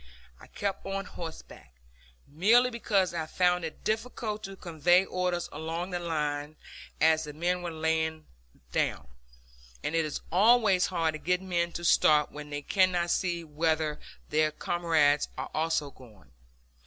I kept on horseback, merely because I found it difficult to convey orders along the line, as the men were lying down; and it is always hard to get men to start when they cannot see whether their comrades are also going.